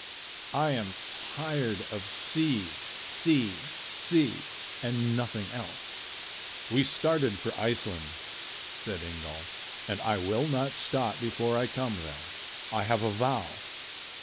I am tired of sea, sea, sea, and nothing else." "We started for Iceland," said Ingolf, "and I will not stop before I come there. I have a vow.